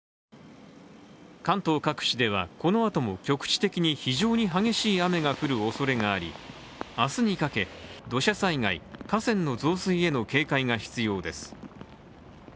関東各地では、このあとも局地的に非常に激しい雨が降るおそれがあり明日にかけ土砂災害、河川の増水への警戒が必要です。